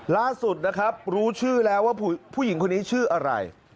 ล่าสุดนะครับรู้ชื่อแล้วว่าผู้หญิงคนนี้ชื่ออะไร